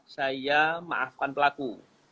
saya maafkan pelaku